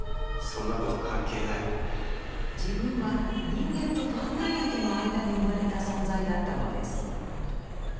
自分は人間とファンガイアとの間に生まれた存在だったのです。